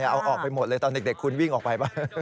เอาออกไปหมดเลยตอนเด็กคุณวิ่งออกไปป่ะ